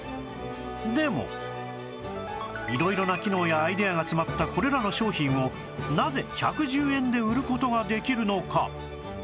でも色々な機能やアイデアが詰まったこれらの商品をなぜ１１０円で売る事ができるのか？